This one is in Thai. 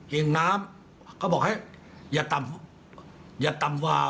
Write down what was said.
เห็นน้ำเขาบอกให้อย่าตำว่า